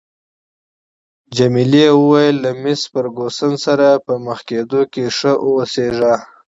جميلې وويل: له مېس فرګوسن سره په مخ کېدو کې ښه اوسیږه.